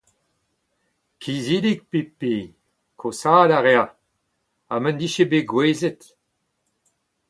Kizidik Pipi, koshaat a rae. Ha m’en dije bet gouezet !…